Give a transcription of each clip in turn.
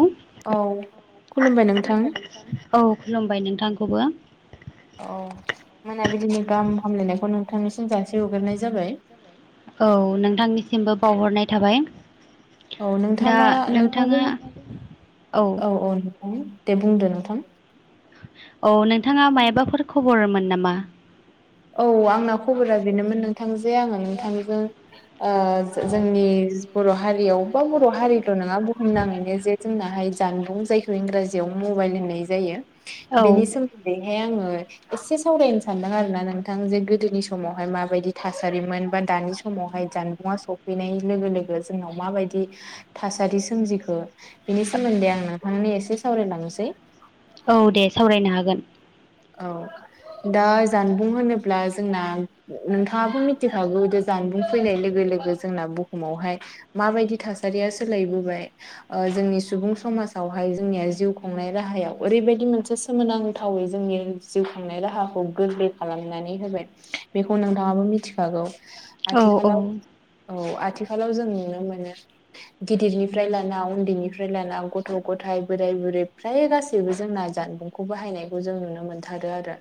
औ। खुलुमबाय नोंथां औ खुलुमबाय नोंथांखौबो। औ मोनाबिलिनि गाहाम हामलायनायखौ नोंथांनिसिम जासे हग्रोनाय जाबाय औ नोंथांनिसिमबो बावहरनाय थाबाय। औ दा नोंथाङा नोंथांजों नोंथाङा औ औ दे बुंदो नोंथां। औ नोंथाङा मायबाफोर खबरमोन नामा? औ आंना खबरा बेनोमोन नोंथां जे आङो नोंथांजों जो- जोंनि बर' हारियाव बा बर' हारिल' नङा बुहुमनाङैनो जे जोंनाहाय जानबुं जायखौ इंराजियाव मबाइल होननाय जायो औ बेनि सोमोन्दै यै आङो एसे सावरायनो सानदों आरोना नों थां जे गोदोनि समावहाय माबायदि थासारिमोन बा दानि समावहाय जानबुङा सफैनाय लोगो गोदो जोंनाव माबायदि थासारि सोमजिखो बिनि सोमोन्दै आं नोंथां एसे सावराय लांनोसै औ दे सावरायनो हागोन। औ दा जानबुं होनोब्ला जोंना नोंथाङाबो मिथिखागौ जे जान बुं फैनाय लोगो लोगो जोंना बुहुमावहाय माबायदि थासारिया सोलायबोबाय ओ जोंनि सुबुं समाजावहाय जोंनिया जिउ खुंनाय राहायाव ओरैबायदि मोनसे सोमोनांथावै जोंनि जिउ खांनाय राहाखौ गोरलै खालामनानै होबाय बेखौ नोंथांङाबो मिथिखागौ औ औ आथिखालाव औ आथिखालाव जों नुनो मोनो गिदिरनिफ्राय लाना उन्दैनिफ्राय लाना गथ' गथाय बोराय फ्राय गासैबो जोंना जानबुंखौ बाहायनायखौ जों नुनो मोनो थारो आरो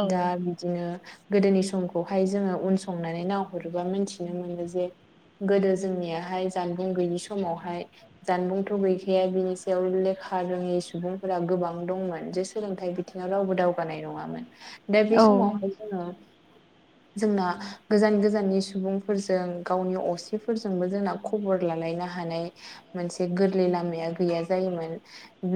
औ दा बिदिनो गोदोनि समखौहाय जोंङो उन संनानै नायाहरोबा मोनथिनो मोनो जे गोदो जोंनियाहाय जानबुं गैयि समावहाय जानबुंथ' गैखाया बिनि सायाव लेखा खा रोङि सुबुंफोरा गोबां दंमोन जे सोलोंथाइ बिथिंङाव रावबो दावगानाय नङामोन दा बे समावहाय जोंङो जोंना गोजान गोजाननि सुबुंफोरजों गावनि असेफोरजोंबो जोंना खबर ला नो हानाय मोनसे गोरलै लामाया गैया जायोम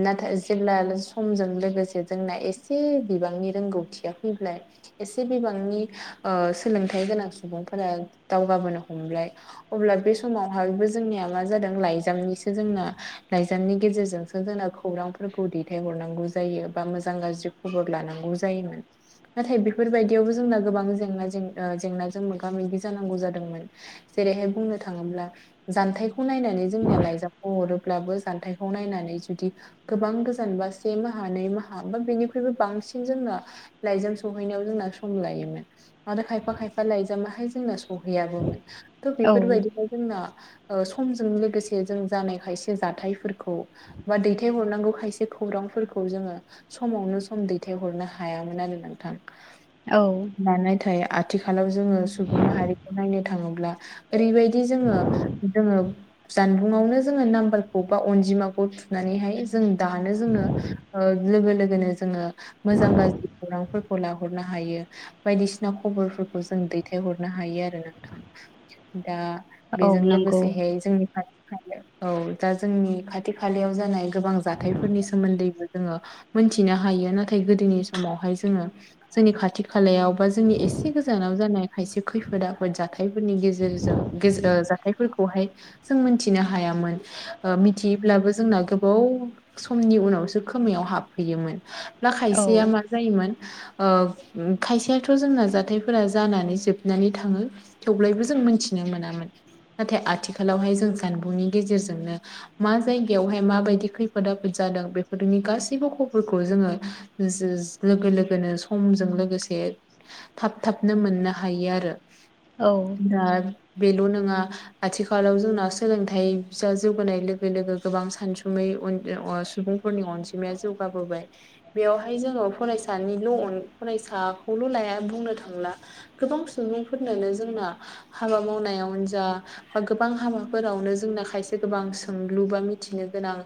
नाथाय जे समजों लोगोसे जोंना ना एसे एसे बिबांनि रोंगौथिया फैब्लाय एसे बिबांनि ओ सोलोंथाइ गोनां सुबुं दावगाबोनो हमब्लाय अब्ला बे समावहाय जोंनिया मा जादों लाइजामनिसो जों [unintelligible] लाइजनि गेजेरजोंसो जोंना खौरांफोरखौ दैथायहरनांगौ जायो बा मोजां गाज्रि खबर लानांगौ जायोमोन। नाथाय बेफोरबायदियावबो जोंना गोबां जेंना ओ जेंनाजों मोगा मोगि जानांगौ जादोंमोन जेरैहाय बुंनो थांङोब्ला जान्थायाइखौ नायनानै जोंनिया लाइजामखौ हरोब्लाबो जान्थाइखौ नायनानै जुदि गोबां गोजानबा से माहा नै माहा बा बेनि बेबो बांसिन जोंना लाइजाम सौहैनायाव जोंना सम लायोमोन आरो खायफा खायफा लाइजाम बाहाय जोंना सहैयाबोमोन थ' औ बेफोरबायदिनो जोंना ओ समजों लोगोसे जों जानाय खायसे जाथायफोरखौ बा दैथायहरनांगौ खायसे खौरां फोरखौ जों समावनो सम दैथायहरनो हायामोन आरो नोंथां औ दानाय थायो। आथिखालाव जोंङो सुबुं माहारिखौ नायनो थाङोब्ला ओरैबायदि जोंङो जोंङो। जानबुंआवनो जोंङो नाम्बारखौ बा अनजिमाखौ थुनानैहाय जों दानो जोंनो। लागो लोगोनो। जोंङो मोजां गाज्रि खौरांफोरखौ लाहरनो हायो बायदिसिना खबरफोरखौ जों दैथाय। नो हायो आरो नोंथां दा औ बेजों नंगौ लोगोसेहाय जोंनि खा औ दा जोंनि खाथि खालायाव जानाय गोबां जाथायफोरनि सोमोन्दैबो जोंङो मोनथि नो हायो नाथाय गोदोनि समावहाय जोङो जोंनि खाथि खालायाव बा जोंनि एसे गोजानाव ज खायसे खैफोद आफोदनि जाथाय फोरनि जों मिथिनो हायामोन मिथियोैब्लाबो जोंना गोबाव समनि उनावसो खोमायाव हाब फैयोमोन ना औ खायसेया मा जायोमोन। खायसेयाथ' जोंना जाथायफोरा जानानै जोबनानै थांङो थेव्लायबो जों मिथिनो नो मोनामोन नाथाय आथिखालावहाय जों सानबुंनि गेजेरजोंनो मा जायगायावहाय माबायदि खैफोद आफोद जाब जादों बेफोरनि गासैबोखौ। फोरखौ जोंङो लोगो लोगोनो समजों लोगोसे थाब थाबनो मोनो मोननो हायो आरो औ दा बेल' नंङा आथिखालाव जोंना सोलोंथाइसा जौगोनानाय लोगो लोगो गोबां सानसुमै। सुबुंफोरनि अनिमाया जौ बाबोबाय बेयावहाय जोंङो फरायसानिल' फरायसाखौल' लाया बुंनो थांब्ला गोबां सुबुंफोरनोनो जोंना हाबा मावनायावनो जा बा गोबां हाबाफोराव। जों खायसे गोबां सोंलु बा मिथिनो गोनां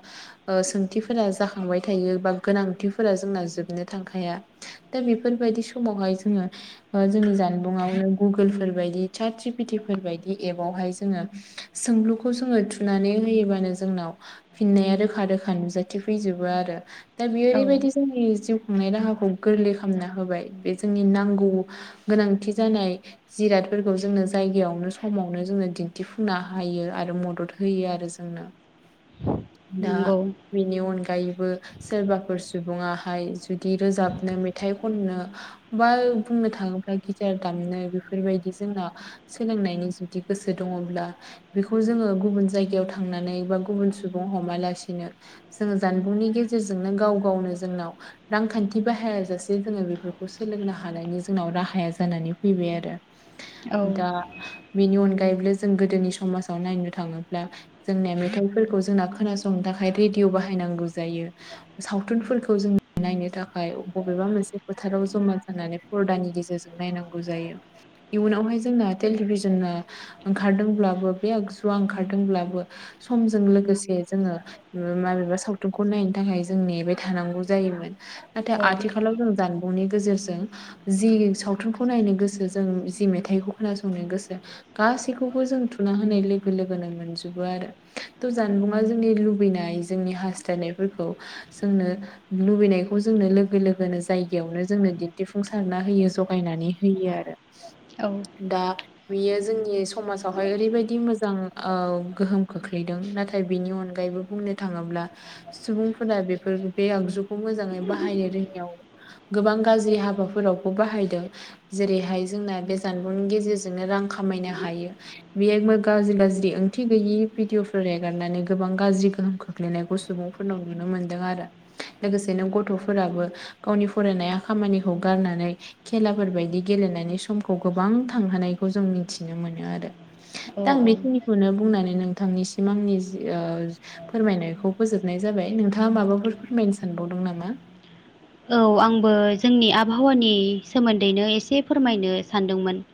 सोंथिफोरा जाखांबाय थायो। बा गोनांथिफोरा जोंना जोबनो थांखाया दा बेफोरबायदि समावहाय जोंङो। जानबुं गुगुलफोर बायदि बायदि एह जा सों खौ जोंङो थुनानै होयोबानो जोंनाव फिननाया रोखा रोखा नुजाथि फैजोबो आरो। दा औ बियारि बायदिस नाय राहाखौ गोरलै खालामना होबाय बे जोंनि नांगौ गोनांथि जानाय जिराद। बेफोरखौ जोंनो जायगायावनो समावनो जोङो दिन्थिफुंनो हायो आरो मदद होयो आरो जोंनो। दा नंगौ बेनि अनगायैबो सोरबाफोर सुबुङाहाय जुदि रोजाबनो मेथाइ खननो बा बुंनो थाङोब्ला गिटार दामनो बेफोरबायदि जोंना सोलोंनायनि जुदि गोसो दङब्ला। जोङो गुबुन जायगायाव थांनानै बा गुबुन सुबुं हमालासिनो जोङो जानबुंनि गेजेर। गेजेरजोंनो गाव गावनो जोंनाव रांखान्थि बाहाया जासे जोङो बेफोरखौ सोलोंनो हानायनि जोंनाव। राहाया जानानै फैबाय आरो औ दा। बेनि अनगायैबो जों गोदोनि समाजाव नायनो थाङोब्ला जोंनि मेथाइफोरखौ जोंना खोनासंनो थाखाय। थाखाय रेडिय' बाहायनांगौ जायो सावथुनफोरखौ जों नायनो थाखाय बबेबा मोनसे फोथाराव जमा जानानै फरदानि गेजेरजों नायनांगौ जायो। इयुनावहाय जोंना टेलिभिजन ओंखारदोंब्लाबो बे आगजुआ ओंखारदोंब्लाबो। समजों लोगोसे जोङो माबेबा सावथुनखौ नायनो। थाखाय जों नेबाय थानांगौ जायोमोन नाथाय औ आथिखालाव जों जान बुंनि गेजेरजों जि सावथुनखौ नायनो गोसो जों जि मेथाइखौ खोनासंनो गोसो। गासैखौबो जों थुना होनाय लोगो लोगोनो मोनजोबो आरो थ' जानबुंआ जोंनि लुबैनाय जोंनि हास्थायनाय फोरखौ जोंनो लुबैनायखौ जोंनो लोगो लोगोनो जायगायावनो जोंनो दिन्थिफुंसारना। होयो जगायनानै होयो आरो औ दा। बियो जोंनि समाजावहाय ओरैबायदि मोजां गोहोम खोख्लैदों नाथाय बिनि अनगायै। बो बुंनो थाङोब्ला। सुबुंफोरा बेफोर बे आगजुखौ मोजाङै बाहायनो रोङियाव गोबां गाज्रि हाबाफोराव। बाहायदों जेरैहाय जोंना बे जानबुंनि गेजेरजोंनो रां खामायनो हायो। जेबो गाज्रि गाज्रि ओंथि गैयि भिडिअफोर एगारनानै गोबां गाज्रि गोहोम खोख्लैनायखौ सुबुं। फोरनाव नुनो मोन्दों आरो लोगोसे नों गथ'फोराबो गावनि फरायनाया खामानिखौ गारनानै खेलाफोरबायदि गेले गेलेनायनि समखौ गोबां थांहोनायखौ जों मिथिनो मोनो आरो। दा आं औ औ बेखिनिखौनो बुंनानै नोंथांनिसिम आंनि फोरमायनायखौ फोजोब नाय जाबाय नोंथाङा माबाफोर फोरमायनो सानबावदों नामा? औ आंबो जोंनि आबहावानि सोमोन्दैनो एसे फोरमायनो सानदोंमोन।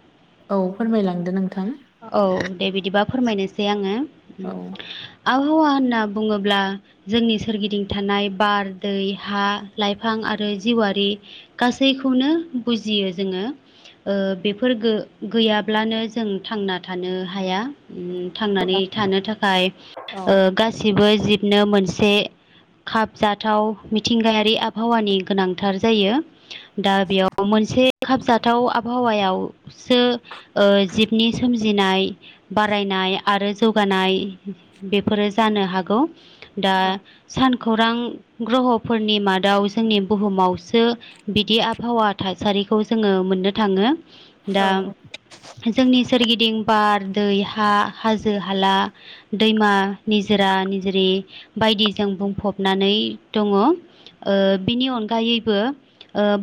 औ फोरमायलांदो नोंथां औ दे बिदिबा फोरमायनोसै आङो औ आ आबहावा होनना बुङोब्ला जोंनि सोरगिदिं थानाय बार दै हा लाइफां आरो जिवारि गासैखौनो बुजियो जोङो। बेफोर गैयाब्लानो जों थांना थानो हाया ओ थांनानै थानो थाखाय औ गासिबो जिबनो मोनसे खाबजाथाव मिथिंगायारि आबहावानि गोनांथार जायो। दा बेयाव मोनसे खाबजाथाव आबहावायावसो जिबनि सोमजिनाय बारायनाय आरो जौगानाय बेफोरो जानो हागौ। दा सान खौरां ग्रहफोरनि मादाव जोंनि बुहुमावसो बिदि आबहावा थासारि खौ जोङो मोननो थाङो दा औ जोंनि थिं बार दै हा हाजो हाला दैमा निजोरा निजिरि बायदि जों बुंफबनानै दङ ओ बिनि अनगायैबो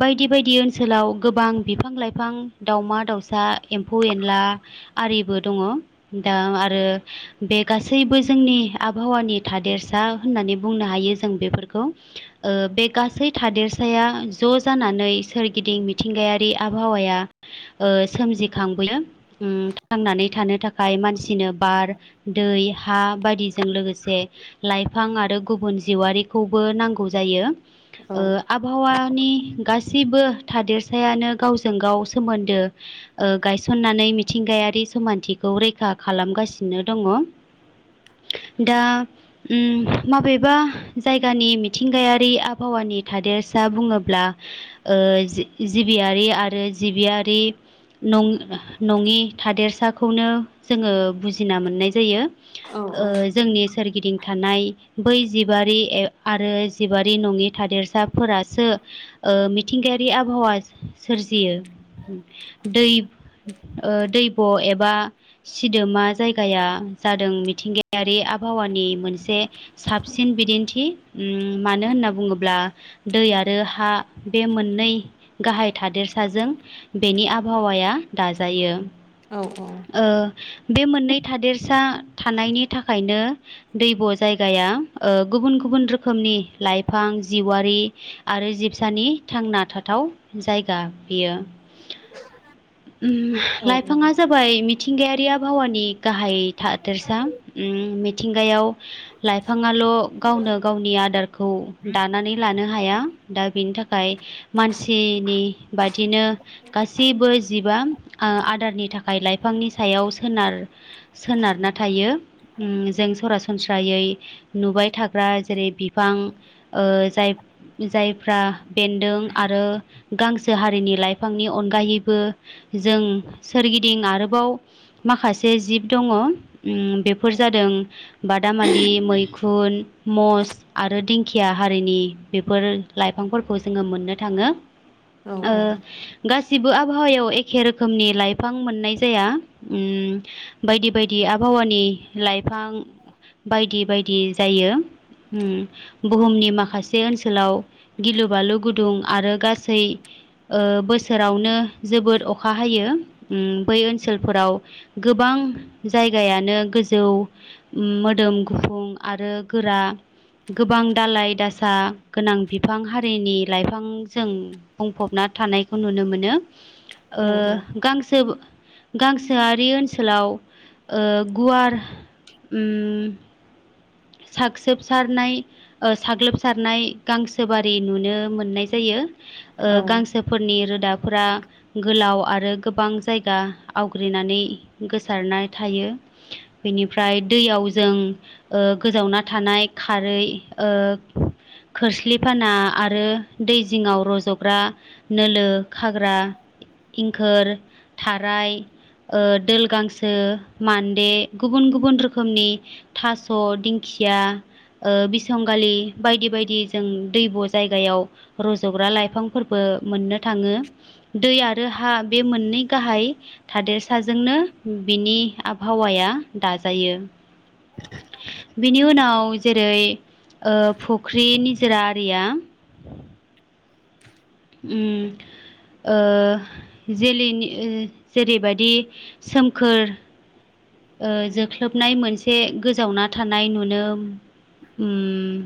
बायदि बायदि ओनसोलाव गोबां बिफां लाइफां दावमा दाउसा एमफौ एनला आरिबो दङ दा आरो बे गासैबो जोंनि आबहावानि था देरसा होननानै बुंनो हायो जों बेफोरखौ बे गासै थादेरसाया ज' जानानै सोरगिदिं मिथिंगायारि आबहावाया सोमजिखांबोयो थांनानै थानो थाखाय मानसिनो बार दै हा बायदिजों लोगोसे लाइफां आरो गुबुन जिवारिखौबो नांगौ जायो। आबहावानि गासैबो गासैबो थादेरसायानो गावजों गाव सोमोन्दो ओ गायसननानै मिथिंगायारि समान्थिखौ रैखा खालामगासिनो दङ दा माबेबा जायगानि मिथिंगायारि आबहावानि आंनि थादेरसा बुङोब्ला जिबियारि आरो जिबियारि नंङि नङि थादेरसाखौनो जोङो बुजिना मोननाय जायो। औ ओ जोंनि सोरगिदिं थानाय बै जिबारि आरो जिबारि नङि थादेरसाफोरासो मिथिंगायारि आबहावा सोरजियो दै ओ दैब' एबा सिदोमा जायगाया जादों मिथिंगायारि आबहावा मनि साबसिन बिदिन्थि उम मानो होनना बुङोब्ला दै आरो हा बे मोननै गाहाय थादेरसाजों बेनि आबहावाया दाजायो। औ लाजायो ओ बे मोननै थादेरसा थानायनि थाखायनो दैब' जायगाया ओ गुबुन गुबुन गुबुन रोखोमनि लाइफां जिवारि आरो जिबसानि थांना थाथाव जाय गा बियो [unintelligible] लाइफाङा जाबाय मिथिंगायारिया आबहावानि गाहाय थादेरसा उम मिथिंगायाव लाइफाङा ल गावनो गावनि आदारखौ दानानै लानो हाया दा बेनि थाखाय मानसि सिनि बादिनो गासैबो जिबा आदारनि थाखाय लाइफांनि सायाव सोनार सोनारना थायो। उम जों सरासनस्रायै नुबाय थाग्रा जेरै बिफां ओ जाय जायफ्रा बेन्दों आरो गांसो हारिनि लाइफांनि अनगायैबो जों सोरगिदिं आरोबाव माखासे जिब दङ उम बेफोर जादों बादामालि मैखुन मस आरो दिंखिया हारिनि बेफोर लाइफांफोरखौ जोङो मोननो थाङो औ गासिबो आबहावायाव एखे रोखोमनि लाइफां मोननाय जाया बायदि बायदि आबहावानि लाइफां बिफां बायदि बायदि जायो। बुहुमनि माखासे ओनसोलाव गिलु बालु गुदुं आरो गासै ओ बोसोरावनो जोबोद अखा अखा हायो बै ओनसोलफोराव गोबां जायगायानो गोजौ मोदोम गुफुं आरो गोरा गोबां दालाय दासा गोनां बिफां हारिनि लाइफांजों बुंफबना थानायखौ नुनो मोनो औ गांसो गांसोआरि ओनसोलाव ओ गुवार उम सागोबसारनाय साग्लोबसारनाय गांसोबारि नुनो मोननाय जायो। गांसोफोरनि रोदाफोरा गोलाव आरो गोबां जायगा आवग्रिनानै गोसारनानै थायो। बेनिफ्राय दैयाव जों गोजावना थानाय खारै ओ खोरस्लिफाना आरो दै जिङाव रज'ग्रा नोलो खाग्रा इंखोर थाराय ओ दोल गांसो मान्दे गुबुन गुबुन रोखोमनि थास' दिंखिया खिया ओ बिसंगालि बायदि बायदि जों दै बस जायगायाव रज'ग्रा लाइफांफोरबो मोननो थाङो। दै आरो हा बे मोननै गाहाय थादेरसाजोंनो बिनि आबहावाया दाजायो बेनि उनाव जेरै ओ फुख्रि निजोरा आरिया [inaudible] उम ओ जेलैनि ओ जेरैबायदि सोमखोर जोख्लोबनाय मोनसे गोजावना थानाय नुनो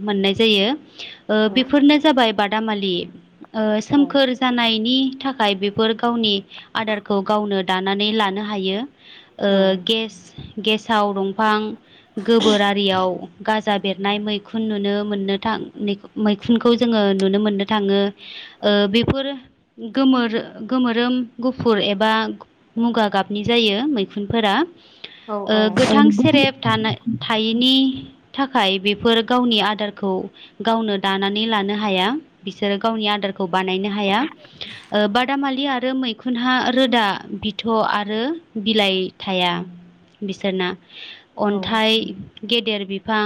मोननाय जायो बेफोरनो जाबाय बादामालि‌। सोमखोर जानायनि थाखाय बेफोर गावनि आदारखौ गावनो दानानै लानो हायो ओ औ गेस गेसाव दंफां गोबोर आरियाव गाजा बेरनाय मैखुन नुनो मोननो थां मैखुनखौ जोङो नुनो मोननो थाङो। ओ बेफोर गोमोर गोमोरोम गुफुर एबा मुगा गाबनि जायो मैखुनफोरा औ ओ गोथां सेरेब थायिनि थाखाय बेफोर गावनि आदारखौ गावनो दानानै लानो हाया बिसोरो गावनि आदार खौ बानायनो हाया ओ बादामालि आरो मै खुनहा रोदा बिथ' आरो बिलाइ थाया बिसोरना अन्थाइ गेदेर बिफां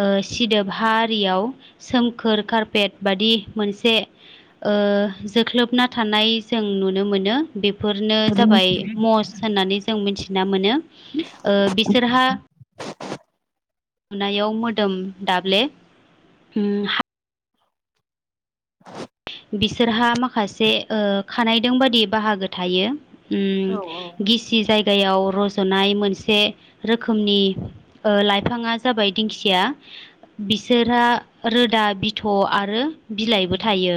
ओ सिदोब हा आरियाव सोमखोर कारपेट बाददि मोनसे ओ जोख्लोबना थानाय जों नुनो मोनो। बे बेफोरनो जाबाय मस होननानै जों मिथिना मोनो। ओ बिसोरहा नुनायाव मोदोम दाब्ले [inaudible] बिसोरहा माखासे खानायदों बादि बाहागो थायो। उम औ गिसि जायगायाव रज'नाय मोनसे रोखोमनि लाइफाङा जाबाय दिंखिया। बिसोरहा रोदा बिथ' आरो बिलाइबो थायो।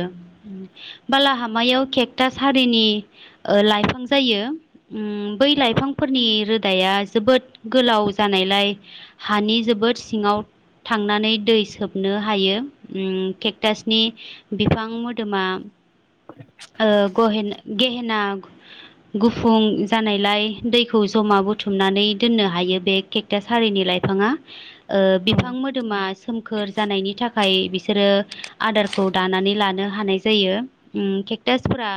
बालाहामायाव केकथास हारिनि लाइफां जायो। बै लाइफांफोरनि रोदाया जोबोद गोलाव जानायलाय हानि जोबोद सिङाव थांनानै दै सोबनो हायो उम केकथासनि बिफां मोदोमा ओ गहेन गेहेना गुफुं जानायलाय दैखौ जम मा बुथुमनानै दोननो हायो बे केेकटास हारिनि लाइफाङा बिफां मोदोमा सोमखोर जानायनि थाखाय बि सोरो आदारखौ दानानै लादों। हानाय जायो केकटासफोरा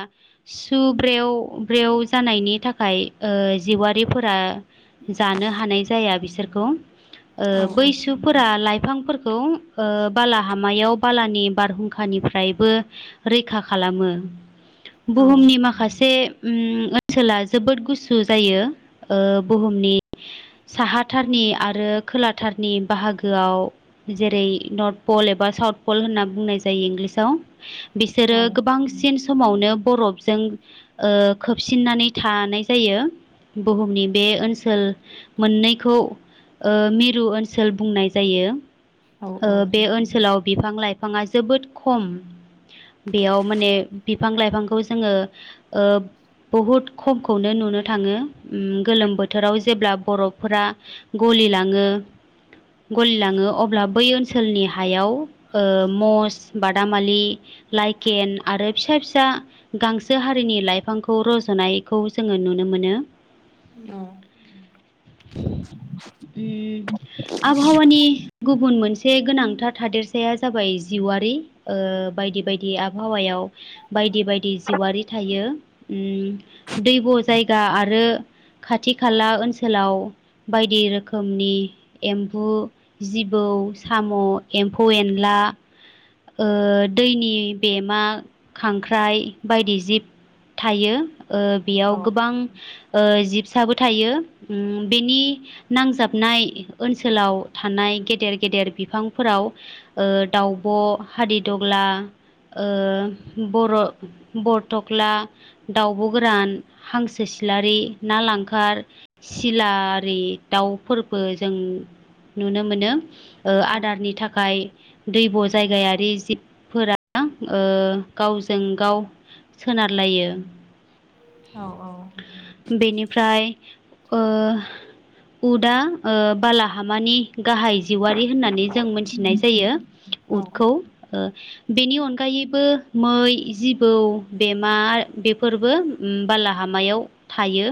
सु ब्रेव ब्रेव जानायनि था खाय ओ जिउआरिफोरा जानो हानाय जाया बिसोरखौ ओ औ बैसुफोरा लाइफांफोर खौ ओ बाला हामायाव बालानि बारहुंखानिफ्राय रैखा खालामो बुहुमनि माखासे ओनसोला जोबोद गुसु जायो बुहुमनि साहाथारनि आरो खोलाथारनि बाहागोआव जेरै नर्थ पल एबा साउथ पल होनना बुंनाय जायो इंलिसआव बिसोरो गोबांसिन समावनो बरफजों खोबसिननानै थानाय जायो बुहुमनि बे ओनसोल मोननैखौ मिरु ओनसोल बुंनाय जायो। बे ओनसोलाव बिफां लाइफाङा जोबोद खम बेयाव माने बिफां लाइफांखौ जोङो बहुद खमखौनो नुनो थाङो गोलोम बोथोराव जेब्ला बर'बफोरा गलि लाङो [inaudible] गलिलाङो अब्ला बै ओनसोलनि हायाव ओ मस बादामालि लाइकेन आरो फिसा फिसा गांसो हारिनि लाइफांखौ रज'नायखौ जोङो नुनो मोनो। औ ओम आबहावानि गुबुन मोनसे गोनांथार थादेरसाया जाबाय जिउआरि ओ बायदि बायदि आबहावायाव बायदि बायदि जिउआरि थायो दै ग जायगा आरो खाथि खाला ओनसोलाव बायदि रोखोमनि एम्बु, जिबौ, बौ साम', एम्फौ एनला ओ दैनि बेमा खांख्राइ बायदि जिब थायो। ओ बेयाव गोबां ओ जिबसाबो थायो बेनि नांजाबनाय ओनसोलाव थानाय गेदेर गेदेर बिफांफोराव दाउब', हादिदग्ला ओ बर' बरथख्ला दाउब' गोरान हांसो सिलारि, ना लांखार, सिला आरि दाउफोरबो जों नुनो मोनो ओ आदारनि थाखाय दैब' जायगायारि जि फोरा गावजों गाव सोनारलायो। औ बेनिफ्राय ओ उदा बालाहामानि गाहाय जिवारि होननानै जों मिथिनाय जायो। औ उदखौ ओ बेनि अनगायैबो मै जिबौ बेमा बेफोरबो उम बालाहामायाव थायो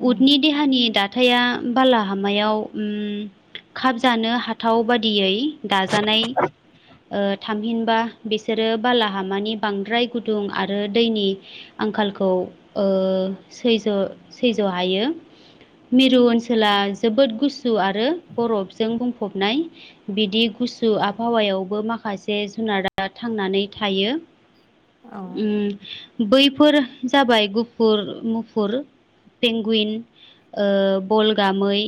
औ उदनि देहानि दा थाया बालाहामायाव उम खाब जानो हाथाव बादियै दाजानाय ओ थामहिनबा बिसोरो बालाहामानि बांद्राय गुदुं आरो दैनि आंखालखौ ओ सैज्य सैज' हायो। मिरु ओनसोला जोबोद गुसु आरो बरफजों बुंफबनाय बिदि गुसु आबहावायावबो माखा से जुनारा थांनानै थायो औ उम बैफोर जाबाय गुफुर मुफुर पेंगुइन, ओ बलगा मै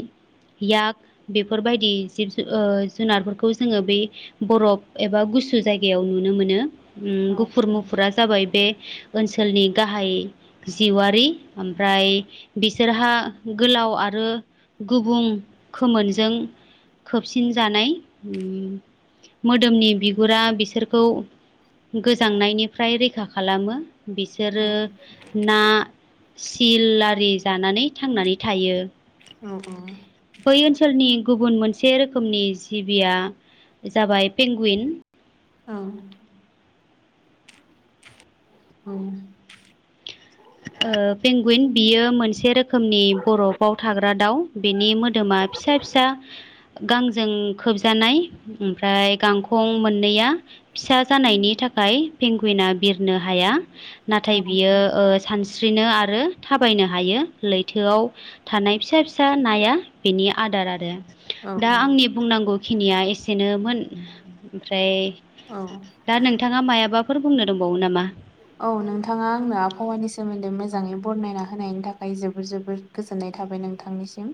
याक बेफोरबायदि जिब जु ओ जुनारफोरखौ जोङो बरफ एबा गुसु जायगायाव नुनो मोनो औ उम गुफुर मुफुरा जाबाय बे ओनसोलनि गाहाय जिउआारि ओमफ्राय बिसोरहा गोलाव आ रो गुबुं खोमोनजों खोबसिन जानाय उम मो दोमनि बिगुरा बिसोरखौ गोजांनायनिफ्राय रैखा खालामो औ बिसोरो ना सिल आरि जानानै थांनानै थायो औ बै ओनसोलनि गुबुन मोनसे रोखोमनि जिबिया जाबाय पेंगुइन औ औ ओ बेंगुइन बियो मोनसे रोखोमनि बरफआव थाग्रा दाउ बेनि मोदोमा फिसा फिसा गांजों खोबजानाय ओमफ्राय गांखं मोननैया फिसा जानायनि था खाय पेंगुइना बिरनो हाया नाथाय औ बियो ओ सानस्रिनो आरो थाबायनो हायो लैथोआव थानाय फिसा फिसा नाया बेनि आदार आरो दा आंनि बुंनांगौ खिनिया एसेनोमोन ओमफ्राय औ दा नोंथाङा मायाबाफोर बुंनो दंबावो नामा? औ नोंथाङा आंनो आबहावानि सोमोन्दै मोजाङै बरनायना होनायनि थाखाय जोबोर जोबोर गोजोननाय थाबाय नोंथांनिसिम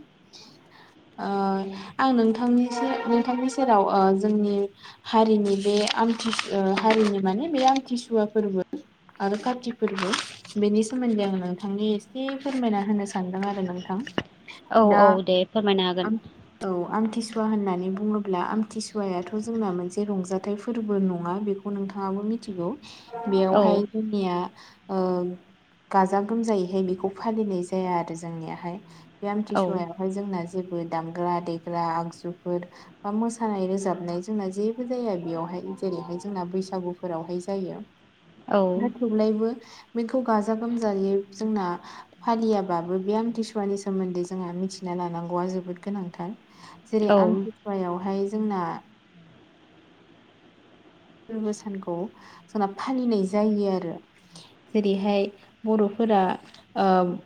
ओ आं नोंथांनि नोंथांनि सेराव जोंनि हारिनि बे आमथिसु हारिनि माने बे आमथिसुवा फोरबो आरो कार्टि फोरबो बेनि सोमोन्दै आं नोंथांनि एसे फोरमायना होनो सानदों आरो नोंथां औ दा औ दे फोरमायनो हागोन औ आमथिसुवा होननानै बुङो ब्ला आमथिसुवायाथ' जोंना मोनसे रंजाथाइ फोरबो नङा बेखौ नोंथाङाबो मिथिगौ। औ बेयावहाय जोंनिया ओ गाजा गोमजायैहाय बेखौ फालिनाय जाया आरो जोंनियाहाय बे औ आमथिसुवायाव हाय जोंना जेबो दामग्रा देग्रा आगजुफोर बा मोसानाय रोजाबनाय जोंना जेबो जाया बेयावहाय जेरैहाय जोंना बैसागुफोरावहाय जायो औ औ थेवब्लायबो बेखौ गाजा गोमजायै जोंना फालियाबाबो बे आमथिसुवानि सोमोन्दै जोंहा मिथिना लानांगौवा जोबो गोनांथार जेरै औ आमथिसुवायावहाय जोंना फोरबो सानखौ जोंना फालिनाय जायो आरो जेरैहाय बर' फोरा ओ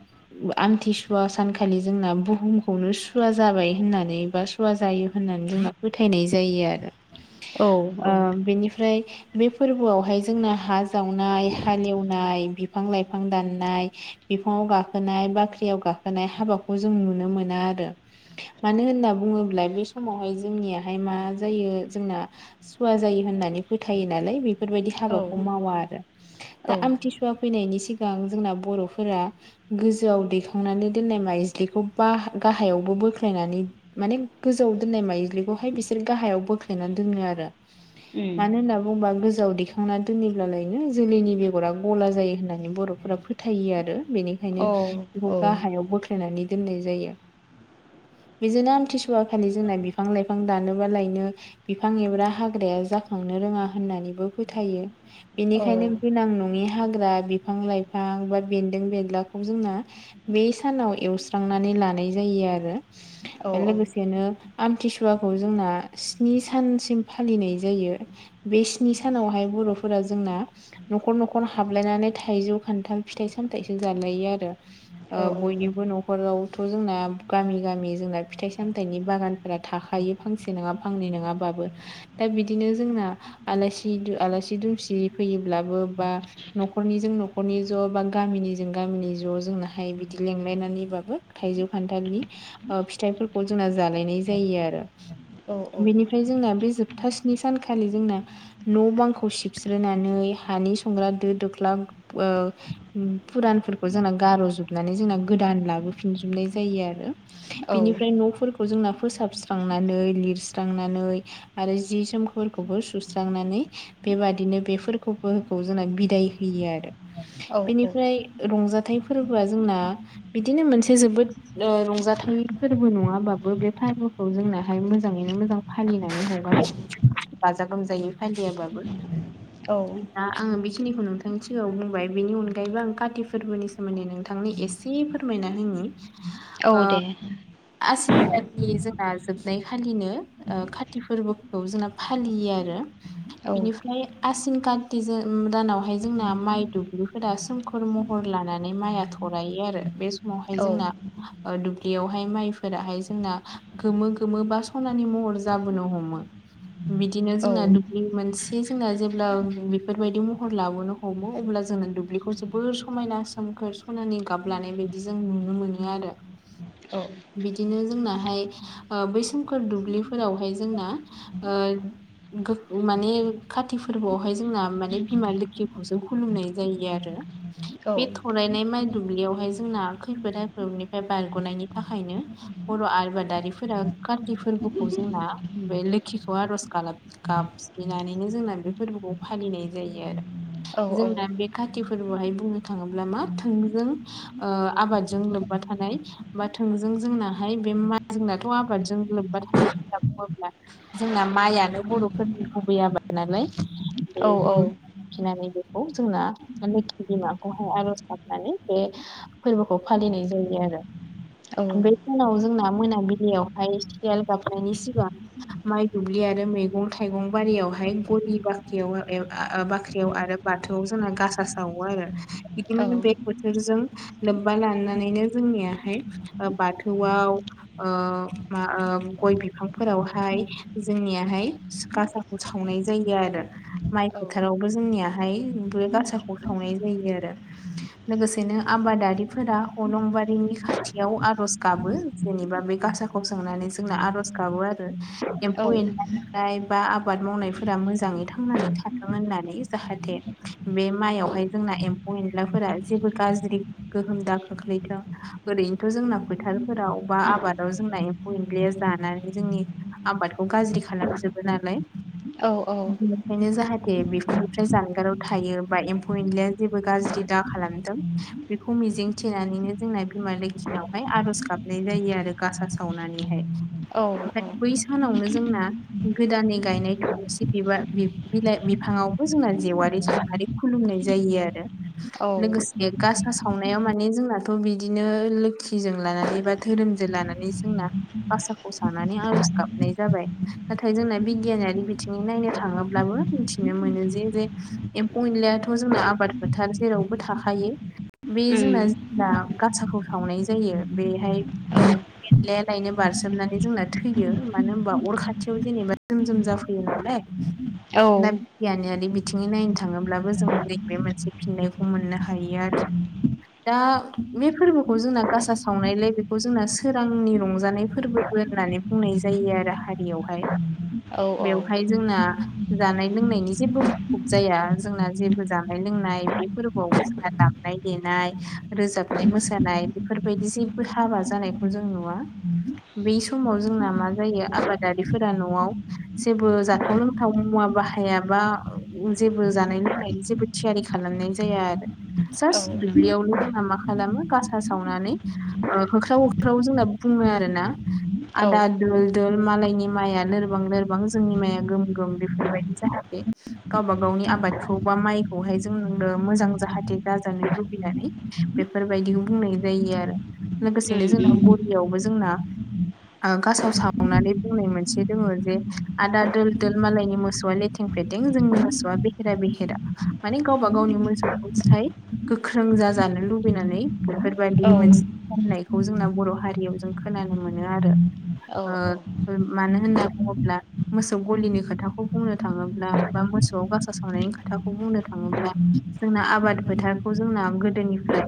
आमथिसुवा सानखालि जोंना बुहुमखौनो सुवा जाबाय होननानै बा सुवा जायो होननानै जोंहा फोथायनाय जायो आरो औ ओ औ बेनिफ्राय बे फोरबोआवहाय जों हा जावनाय हालेवनाय बिफां लाइफां दाननाय बिफांङाव गाखोनाय बाख्रियाव गाखोनाय हाबाखौ जों नुनो मोना। मानो होनना बुङोब्ला बे समावहाय जोंनियाहाय मा जायो जोंना सुवा जायो होननानै फोथायो नालाय बेफोरबायदि औ हाबाखौ मावा आरो दा उम आमथिसुवा फैनायनि सिगां जोंना बर'फोरा गोजौआव दैखांनानै दोननाय माइज्लिखौ बा गाहायाव बोख्लायनानै माने गोजौआव दोननाय माइज्लिखौहाय बिसोर गाहायाव बोख्लायनानै दोनो आरो मानो होनना बुङोबा गोजाव दैखां ना दोनोब्लालायनो जोलैनि बेगरा गला जायो होननानै बर'फोरा फो थायो आरो बेनिखायनो बेखौ औ औ गाहायाव बोख्लायनानै दोननाय जायो बेजोंनो आमथिसुवा खालि जोंना बिफां लाइफां दानो। बालायनो बिफां एब्रा हाग्राया जाखांनो रोङा होननानैबो फोथायो। औ बेनिखायनो गोनां नङि हाग्रा बिफां लाइफां बा बेन्दों बेनलाखौ जोंना बे सानाव एवस्रांनानै लानाय जायो आरो लोगोसेनो आमथिसु वाखौ जोंना स्नि सानसिम फालिनाय जायो। बे स्नि सानावहाय बर'फोरा जोंना न'खर न'खर हाबलायनानै थाइजौ खान्थाल फिथाइ सामथाइसो जालायो आरो। बयनिबो न'खराव थ' जोंना गामि गामि जोंना फिथाइ सामथाइनि बागानफोरा थाखायो फांसे नङा फांनै नङाबाबो दा बिदिनो जोंना आलासि दुमसि फैयोब्लाबो बा नखरनि जों नखरनि ज बा गामिनिजों गामिनि ज जोंना हाय बिदि लेंलायनानैबाबो थाइजौ खानथालनि फिथाइफोरखौ जोंना जालायनाय जायो आरो बेनिफ्राय जोंना बे जोबथा स्नि सानखालि जोंना न' बांखौ सिबस्रोननानै हानि संग्रा दो दोख्ला फुरानफोरखौ जोंना गार'जोबनानै जोंना गोदान लाबोफिनजोबनाय जायो आरो बिनिफ्राय न'फोरखौ जोंना फोसाबस्रांनानै लिरस्रांनानै आरो जि जोम फोरखौबो सुस्रांनानै बेबादिनो बेफोरबोखौ जोंना बिदाय होयो आरो औ बेनिफ्राय रंजाथाइ फोरबोआ जोंना बिदिनो मोनसे जोबोद रंजाथाइ फोरबो नङाबाबो बे जोंनाहाय मोजांङैनो मोजां फालिनानै हगारसि गाजा गोमजायै फालियाबाबो औ दा आङो बेखिनिखौ नोंथां‌। नोंथां सिगांङाव बुंबाय बेनि अनगायैबो आं काति फोरबोनि सोमोन्दै नोंथांनो एसे फोरमायना होनि औ दे नि जोंना जोबनाय खालिनो खाति फोरबोखौ जोंना फालियो आरो औ बेनिफ्राय आसिन खान्थि दानावहाय जोंना माइ दुब्लिफोरा सोमखोर महर लानानै माइया थ' रायो आरो बे समावहाय औ जोंना दुब्लियावहाय माइफोराहाय जोंना गोमो गोमोबा सनानि महर जाबोनो हमो बिदिनो औ जोंना दुब्लि मोनसे ज जोंना जेब्ला बेफोरबायदि महर लाबोनो हमो अब्ला जोंना दुब्लिखौ जोबोर समायना सम सनानि गाब लानाय बायदि जों नुनो मोनो आरो औ बिदिनो जोंनाहाय बै सोमखोर दुब्लिफोरावहाय जोंना ओ माने कति फोरबोआवहाय जोंना माने बिमा लोखिखौसो खुलुमनाय जायो। आरो औ बे थरायनाय माइ दुब्लियावहाय जोंना खैफोद आफफोदनिफ्राय बारग'नायनि थाखायनो बर' आबादारिफोरा कार्ति फोरबोखौ जोंना लोखि खौ आर'ज गाब गाबज्रिनानैनो जोंना बे फोरबोखौ फालिनाय जायो। जोंना बे ख फोरहाय बुंनो थांङोब्ला माों आबादजों लोबबा थानाय बा माधो जों जोंनाहाय बे म जोंनाथ' आबादजों लोब्बा थायो होनना बुंङोब्ला जोंना माइयानो बर'फोरनि गुबुबैयाबा नालाय बे जोंखिनानै बेखौ जोंना लोखि बिमाखौहाय आर'ज गाबनानै बे फोरबोखौ फालिनाय जायो। जायो आरो। बे सानाव जोंना मोनाबिलियावहाय सियाल गाबनायनि सिगां माइ दुब्लि आरो मैगं थाइगं बारियावहाय गरि बाख्रियाव बाख्रियाव आरो बा बोथौआव जोंना गासा सावो आरो औ बिदिनो बे बोथोरजों लोब्बा लानानैनो जोंनियाहाय बाथौआव मा ओ गय बिफांफोरावहाय जोंनियाहाय गासाखौ सावनाय जायो आरो माइ फोथारावबो जोंनियाहाय बे गासाखौ सावनाय जायो आरो लोगोसेनो आबादारिफोरा अलंबारिनि नि खाथियाव आर'ज गाबो जेनेबा बे गासाखौ सोंनानै जोंना आर'ज गाबो आरो एम्फौ एनलानिफ्राय बा आबाद मावनायफोरा मोजाङै थांनानै थाथों होननानै जाहाथे बे माइयावहाय जोंना अनलाफोरा जेबो गाज्रि गोहोम दा खोख्लैथों ओरैनोथ' जोंना फोथारफोराव अबेबा आबादाव जोंना एम्फौ एनलानि जानानै जोंनि आबादखौ गाज्रि खालामजोबो नालाय औ औ जे बेफोरनिफ्राय जानगाराव थायो बा एम्फौ एनलाया जेबो गाज्रि दा खालामदों बेखौ मिजिं थिनानैनो जोंना बिमा लोखियावहाय आर'ज गाबनाय जायो आरो गासा सावनानैहाय औ ओमफ्राय औ बै सानावनो जोंना गोदानै गायनाय थलासि बिबार बिलाइ बिफाङावबो जोंना जेवारि सेवारि खुलुमनाय जायो। होयो आरो लोगोसे गासा सावनाय माने माने जोंनाथ' बिदिनो लोखिजों लानानै बा धोरोमजों लानानै जोंना गासाखौ सावनानै आरज मोननाय जाबाय नाथाय जोंना बिगियानारि बिथिङै नायनो थांङोब्लाबो मिथिनो मोनो जे जे एम्फौ एनलायाथ' जोंना आबाद फोथार जेरावबो थाखायो। उम बे जोंना जेब्ला गासाखौ सावनाय जायो बेहाय एनल लायनो बारसोमनानै जोंना थैयो। मानो होनबा अर खाथियाव जेनेबा जोम जोम जाफैयो नालाय उम दा औ बिदियानो आरो बे बिथिङै नायनो थाङोब्लाबो जों ओरै बे मोनसे फिननायखौ मोननो हायो आरो दा बे फोरबोखौ जोंना गासा सावनायलाय बेखौ जोंना सोरांनि रंजानाय फोरबो बो होननानै बुंनाय जायो आरो हारियावहाय औ उम बेवहाय जोंना जानाय लोंनायनि जेबो मुखुब जाया जोंना जेबो जानाय लोंनाय फोरबोआव जोंहा दामनाय देनाय रोजाबनाय मोसानाय बेफोरबायदि जेबो हाबा जानायखौ जों नुवा बे समाव जोंना मा जायो आबादारिफोरा न'आव जेबो जाथाव लोंथाव मुवा बाहायाबा जेबो जानाय लोंनायनि जेबो थियारि खालामनाय जाया आरो औ जास नंगौ दुब्लियावल' जोंहा मा खामो खालामो गासा सावनानै होख्राव होख्राव जोंना बुङो आरो ना आदा औ दोल दोल मालायनि माइआ लोरबां लोरबां जोंनि माइआ गोम गोम बेफोरबायदि जाहाथे गावबा गाव आबादखौ बा माइखौ जों मोजां जाहाथे जाजानो लुबैनाय बेफोरबायदि बेफोर बायदि बुंनाय जायो आरो लोगोसेनो जोंनाव गुदियावनो जोंना ओ गासा सावनाय सावनानै बुंनाय मोनसे दङ जे आदा दोल दोल मालायनि मोसौआ लेथें फेथें जोंनि मोसौआ बेहेरा बेहेरा माने गावबा गावनि मोसौखौ फ्राय गोख्रों जाजानो लुबैनानै बेफोरबायादि मोनसे फाननायखौ जोंना बर' हारियाव जों खोनानो मोनो आरो मानो होनना बुङोब्ला मोसौ गलिनि खोथाखौ बुंनो थाङोब्ला बा मोसौ गसा सावनायनि खोथाखौ बुंनो थाङोब्ला जोंना आबाद फोथारखौ जोंना गोदोनिफ्राय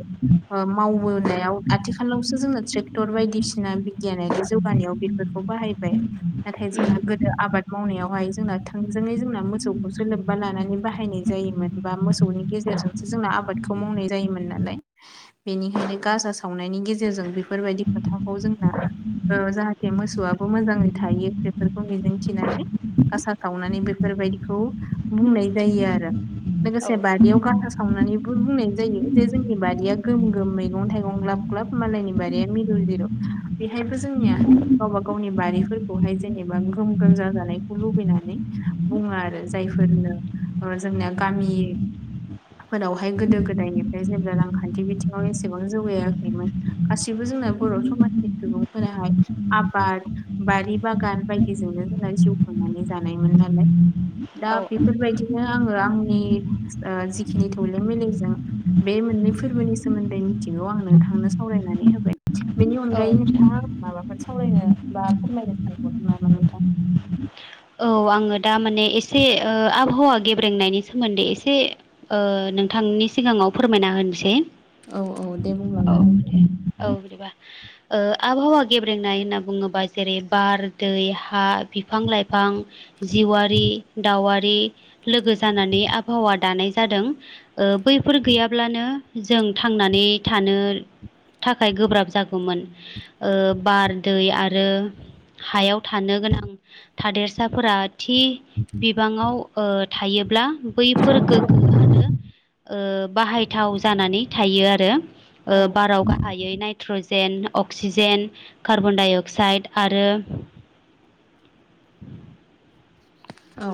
मावबोनायाव आथिखालावसो जोङो ट्रेक्टर बायदिसिना बिगियानारि जौगानायाव बेफोरखौ बाहायबाय नाथाय जोंना गोदो आबाद मावनायावहाय जोंना थोंजोङै जोंना मोसौखौ लोब्बा लानानै बाहायनाय जायोमोन बा मोसौनि गेजेरजोंसो जोंना आबादखौ मावनाय जायोमोन नालाय बेनिखायनो गाजा सावनायनि गेजेरजों बेफोरबायदि खोथाखौ जोंना ओ जाहाथे दे मोसौआबो मोजाङै थायो बेफोरखौ मिजिंथिनानै गासा सावनानै बेफोरबायदिखौ बुंनाय जायो आरो। लोगोसे बारियाव गासा सावनानैबो बुंनाय जायो जे जोंनि बारिया गोम गोम मैगं थाइगं ग्लाब ग्लाब ग्लाब मालायनि बारिया मिरु जिरु बेहायबो जोंनियाहाय गावबा गावनि बारिफोरखौहाय जेनेबा ग्रोम ग्रोम जाजानायखौ लुबैनानै बुङो आरो जाय जोंनिया गामि फोरावहाय गोदो गोदायनिफ्राय जेब्ला रांखान्थि बिथिङाव एसेबां जौगायाखैमोन गासिबो जोंना बर' समाजनि सुबुंफोराहाय आबाद बारि बागान बायदिजोंनो जोंना जिउ खांनानै जानायमोन नालाय दा बेफोरबायदिनो आङो आंनि ओ जिखिनि थौले मेलेमजों बे मोननैसो फोरबोनि सोमोन्दै मिथिगौ आं नोंथांनो सावरायनानै होबाय बेनि औ अनगायै औ नोंथाङा माबा बेफोर सावरायनो बा फोरमायनो सानबावदों नामा नोंथां? औ आङो दा माने एसे ओ आबहावा गेब्रेंनायनि सोमोन्दै एसे ओ नोंथां नोंनि सिगाङाव फोरमायना होनोसै औ औ दे बुंलांदो नोंथां। [unintelligible] ओ आबहावा गेब्रेंनाय होनना बुङोबा जेरै बार दै हा बेफोर बिफां लाइफां जिवारि दाावारि लोगो जानानै आबहावा दानाय जादों। दों बैफोर गैयाब्लानो जों थांनानै थानो थाखाय गोब्राब जागौमोन बार दै आरो हायाव थानो गोनां थादेरसाफोरा थि बिबाङाव ओ थायो। ब्ला बैफोर गोग्गोआनो ओ बाहायथाव जानानै थायो आरो औ बाराव गाहाय नाइट्रजेन अक्सिजेन कार्बनडाइ अक्साइड आरो [inaudible] औ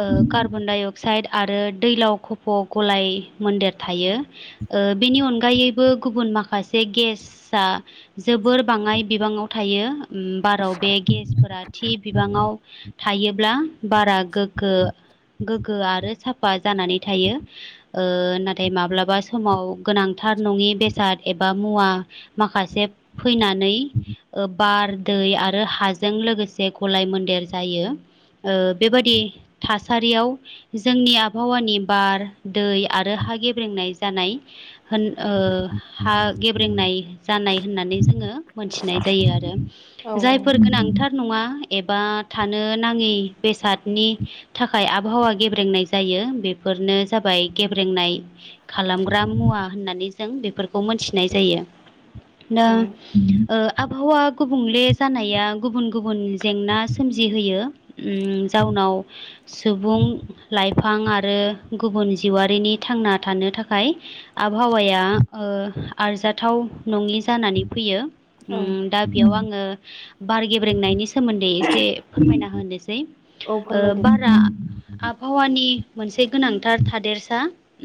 ओ कार्बनडायअक साइड आरो दैलाव खफ' गलाय मोन्देर थायो। ओ बेनि अनगायैबो गुबुन माखासे गेस आ जोबोर बाङाय बिबाङाव थायो। उम बाराव बे गेसफोरा थि बिबाङाव थायो। ब्ला बारा गोग्गो गोग्गो आरो साफा जानानै थायो नाथाय माब्लाबा समाव गोनांथार थार नङि बेसाद एबा मुवा माखासे फैनानै ओ बार दै दै आरो हाजों लोगोसे गलाय मोन्देर जायो। ओ बेबादि थासारियाव जोंनि आबहावानि बार दै आरो हा गेब्रेंनाय जानाय होन ओ हा गेब्रेंनाय जानाय होननानै जोङो मोनथिनाय जायो आरो औ जायफोर गोनांथार नङा एबा थानो नाङि बेसादनि थाखाय आबहावा गेब्रेंनाय जायो बेफोरनो जाबाय गेब्रेंनाय खालामग्रा मुवा होननानै जों बेफोरखौ मोनथिनाय जायो। आबहावा गुबुंले जानाया गुबुन गुबुन जेंना सोमजिहोयो उम जाउनाव सुबुं लाइफां आरो गुबुन जिउआरिनि थां थांना थानो थाखाय आबहावाया ओ आरजाद थाव नङि जानानै फैयो। औ उम दा बेयाव आङो बार गेब्रेंनायनि सोमोनदै दे एसे फोरमायना होनोसै औ ओ फोरमायदो बारा आबहावानि मोनसे गोनांथार थादेरसा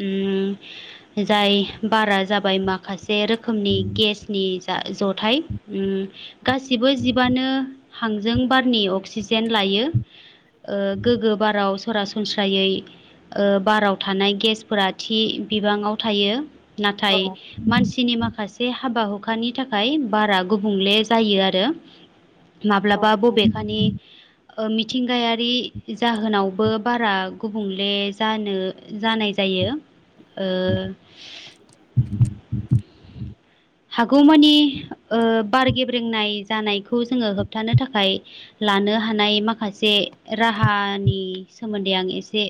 उम जाय बारा जाबाय माखासे रोखोमनि गेस नि जा जथाय गासिबो जिबानो हांजों बारनि अक्सिजे जेन लायो गोग्गो बाराव सरासनस्रायै बाराव थानाय गेसफोरा थि बिबाङाव थायो। नाथाय औ मानसिनि माखासे हाबा हुखानि थाखाय बारा गुबुंले जायो आरो। औ माब्लाबा बबेखानि ओ मिथिंगायारि जाहोनावबो बारा गुबुंले जानो जानाय जायो। यो ओ [inaudible] हागौमानि ओ बार गेब्रेंनाय जानायखौ जोङो होबथानो थाखाय लानो हानाय माखासे राहानि सोमोन्दै आं एसे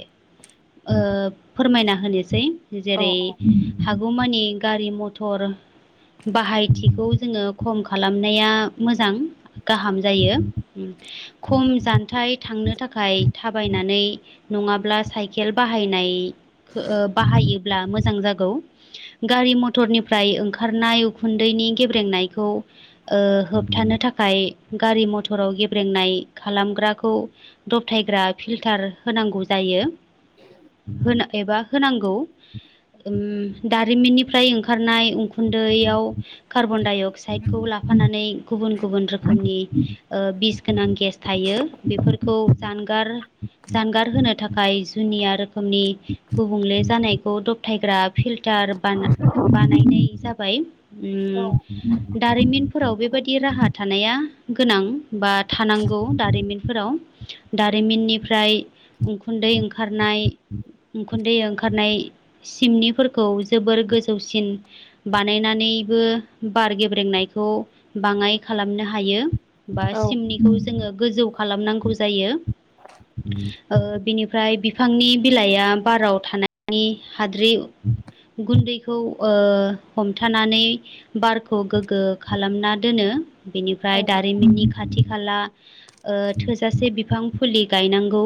फोरमायना होनोसै जेरै औ हागौमानि गारि मथर बाहायथिखौ जोङो खम खालामनाया मोजां गाहाम जायो। खम जानथाइ थांनो थाखाय थाबायनानै नङाब्ला साइकेल बाहायनाय बाहायोब्ला मोजां जागौ गारि मटरनिफ्राय ओंखारनाय उखुन्दैनि नि गेब्रेंनायखौ होबथानो थाखाय गारि मथराव गेब्रेंनाय खालामग्राखौ दबथायग्रा फिल्टार होनांगौ जायो। होन एबा होनांगौ दारिमिननिफ्राय ओंखारनाय उखुन्दैयाव कार्बन डाय अक्साइडखौ लाफानानै गुबुन गुबुन रोखोमनि बिस गोनां गेस थायो बेफोरखौ जानगार जानगार होनो थाखाय जुनिया रोखोमनि गुबुंले जानायखौ दबथायग्रा फिल्टार बा बानायनाय जाबाय उम दारिमिनफोराव बेबायदि राहा थानाया गोनां बा थानांगौ। दारिमिनफोराव दारिमिननिफ्राय उखुन्दै ओंखारनाय दै ओंखारनाय सिमनिफोरखौ जोबोर गोजौसिन बानायनानैबो बार गेब्रेंनायखौ बाङाय खालामनो हायो बा औ सिमनिखौ जोङो गोजौ खालामनांगौ जायो। बिनिफ्राय बिफांनि बिलाइआ बाराव थानायनि हाद्रि उखुन्दैखौ ओ हमथानानै बारखौ गोग्गो खालामना दोनो। औ बेनिफ्राय दारिमिननि खाथि खाला ओ थोजासे बिफां फुलि गायनांगौ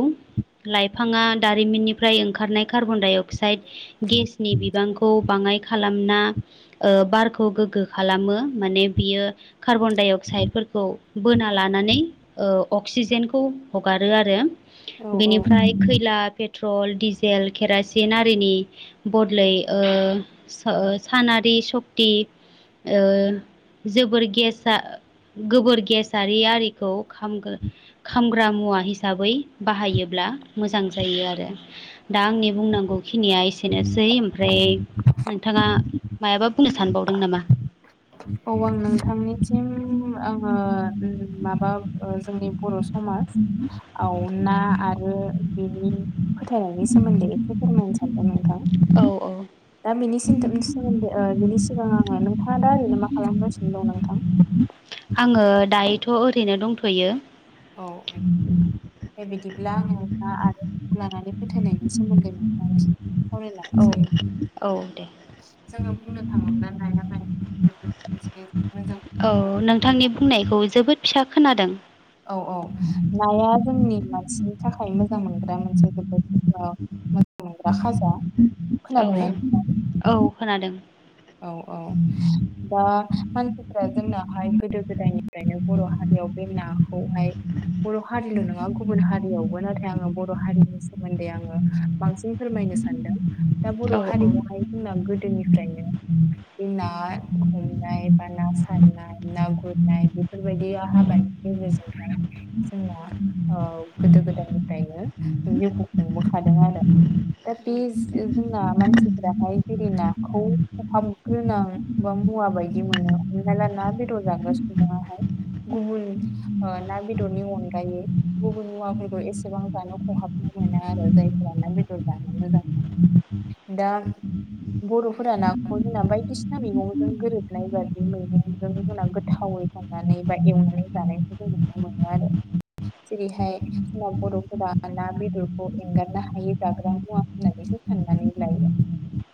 लाइफाङा दारिमिननिफ्राय ओंखारनाय कार्बन डाइ अक्साइड गेसनि बिबांखौ बाङाय खालामना बारखौ गोग्गो खालामो माने बियो कार्बन डाइ अक्साइदफोरखौ बोना ला नानै अक्सिजेनखौ हगारो आरो औ औ बेनिफ्राय खैला पेट्रल डिजेल केरासिन आरिनि बदलै ओ सो साना आरि सक्ति ओ जोबोर गेसा गोबोर गेसारि आरिखौ खामग्रा मुवा हिसाबै बाहायोब्ला मोजां जायो आरो दा आंनि बुंनांगौ खिनिया एसेनोसै ओमफ्राय नोंथाङा मायाबा बुंनो सानबावदों दों नामा? औ आं नोंथांनिसिम आङो उम माबा ओ जोंनि बर' समाज ना आरो बेनि फोथायनायनि सोमोन्दै एसे फोरमायनो सानदों नोंथां औ दा बिनिथ सोमोन्दै बिनि सिगां आङो नोंथाङा दा ओरैनो मा खालामगासिनो दं नोंथां आङो दायोथ' ओरैनो दंथ'यो। औ दे बिदिब्ला आङो दा आरनायखौ लानानै फोथायनायनि सोमोन्दै नोंथांजों एसे औ सावरायलांनोसै औ दे [inaudible] जोङो बुंनो थाङोब्ला नाया बांसिन जोबोद मोनसे मोजां औ नोंथांनि मोन बुंनायखौ जोबोद फिसा खोनादों। औ औ नाया जोंनि मानसिनि थाखाय मोजां मो नग्रा मोनसे जोबोद मोजां मोनग्रा खाजा औ खोनादोंना नोंथां औ खोनादों औ औ दा मानसिफोरा जोंनाहाय गोदो गोदायनिफ्रायनो बर' हारि बेयाव बे नाखौहाय बर' हारिल' नङा गुबुन हारियावबो नाथाय आङो बर' हारिनि सोमोन्दै आङो बांसिन फोरमायनो सानदों दा बर' औ हारियावहाय जोंना गोदोनिफ्रायनो बे ना हमनाय बा ना सारनाय ना गुरनाय बेफोरबायदि हाबानि गेजेरजों जोंना गोदो गोदायनिफ्रायनो जिउखौ खुंबोखादों आरो दा बे जोंना मानसिफोराहाय जेरै नाखौ खहाब गोनां बा मुवा बायदि मोनो हमना ला ना बेदर जाग्रा सुबुङाहाय गुबुन ना बेदरनि अनगायै गुबुन मुवाफोरखौ एसेबां जानो खहाब मोना आरो जायफोरा ना बेदर जानो मोजां मोनो दा बर'फोरा ना जोंना बायदिसिना मैगंजों गोरोबनाय बा बे मैगंजों जोंनाव गोथावै सांनानै बा ए वनानै जानायखौ जों नुनो मोनो आरो जेरैहाय जोंना बर'फोरा ना बेदरखौ एंगारनो हायै जाग्रा मुवा होननानै साननानै लायो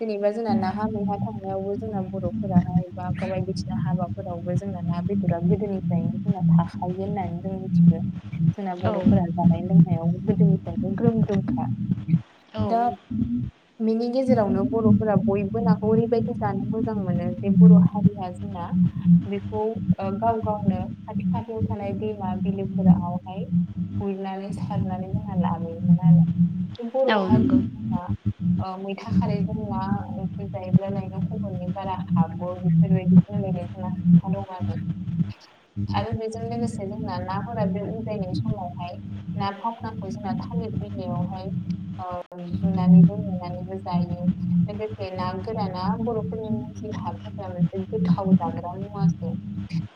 जेनेबा जोंना ना थांनायावबो जोंना बर'फोराहाय बा ब बायदिसिना हाबाफोरावबो जोंना ना बेदरा गोदोनिफ्राय जोंना थाखायो होननानै जों मिथिगो। जोंना औ बर'फोरा जानाय लोंनायाव गोदोनिफ्रायनो ग्रोम ग्रोमखा औ दा बेनि गेजेरावनो बर'फोरा बयबो ना ओरैबायदि जानो मोजां मोनो जे बर' हारिया जोंना बेखौ गाव गावनो खाथि खाथियाव थानाय दैमा बिलोफोरावहाय गुरनानै सारनानै जोंहा लाबोयोमोन आरो बे बर' औ हारि नंगौ ओ मैथा खारैजों ना जायोब्ला लायनो खबनै बारा हाबो बेफोरबायदि बुंलायनाय जोंहा खोथा दं आरो [unintelligible] [unintelligible] आरो बेजों लोगोसे जोंना नाफोरा बे उजायनाय समावहाय ना मावाखौ [unintelligible] जोंना थालिर बिलाइयावहाय जुनानैबो मेनानैबो जायो। बे ना गोराना बर'फोरनि जि हाफोरा मोनसे गोथाव जाग्रा मुवासो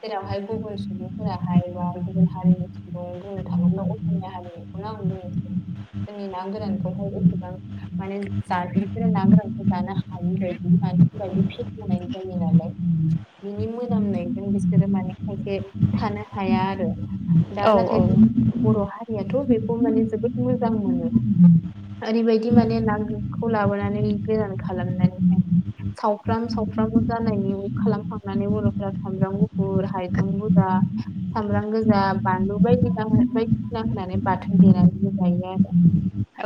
जेरावहाय गुबुन सुबुंफोराहाय बा गुबुन हारिनि सुबुं बुंनो थाङोब्ला असमिया हारिनिखौ आं जोंनि ना गोरानखौहाय एसेबां माने जाफेरिफोरा ना गोरानखौ जानो हायि बादि मानो होनबा बे फेसेवनाय जायो नालाय बिनि मोनामनायजों बिसोरो माने खायसे थानो हाया आरो दा औ नाथाय बर' हारियाथ' बे माने जोबोद मोजां मोनो ओरैबायदि माने नांगोखौ लाबोनानै गोरान खालामनानैहाय सावफ्राम सावफ्राम जानायनि खालामखांनानै बर'फ्रा सामब्राम गुफुर हाइजें बुरजा सामब्राम गोजा बानलु बायदिना बायदिसिना होनानै बाथोन देनानैबो जायो आरो।